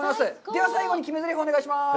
では最後に決めぜりふ、お願いします。